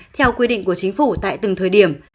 theo quy định của chính phủ tại từng thời điểm